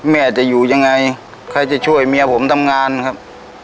แม่จะอยู่ยังไงใครจะช่วยเมียผมทำงานครับ